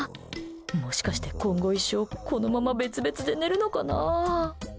もしかして今後一生このまま別々で寝るのかな。